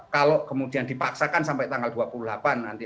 kalau kemudian dipaksakan sampai tanggal dua puluh delapan nanti